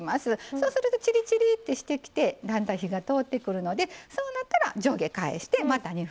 そうするとチリチリってしてきてだんだん火が通ってくるのでそうなったら上下返してまた２分ぐらい焼いて下さい。